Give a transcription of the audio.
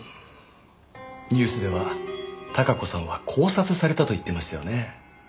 ニュースでは孝子さんは絞殺されたと言ってましたよね？